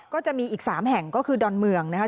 ก็จะมีอีก๓แห่งก็คือดอนเมืองนะครับ